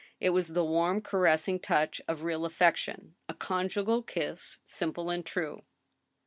It was the warm, caressing touch of real affection, a conjugal kiss, simple and true.